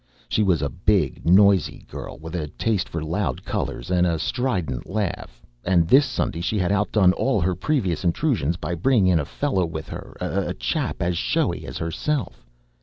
She was a big, noisy girl, with a taste for loud colours and a strident laugh; and this Sunday she had outdone all her previous intrusions by bringing in a fellow with her, a chap as showy as herself.